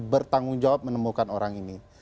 bertanggung jawab menemukan orang ini